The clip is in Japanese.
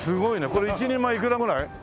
これ１人前いくらぐらい？